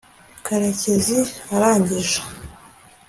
karekezi arangije